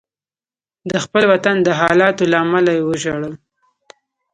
د خپل وطن د حالاتو له امله وژړل.